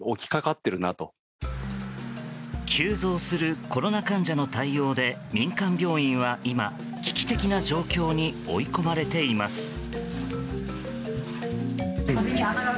急増するコロナ患者の対応で民間病院は今、危機的な状況に追い込まれています。